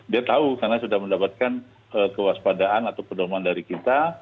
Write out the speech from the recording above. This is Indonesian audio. dia tahu karena sudah mendapatkan kewaspadaan atau pedoman dari kita